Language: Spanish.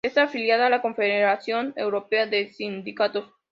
Está afiliada a la Confederación Europea de Sindicatos.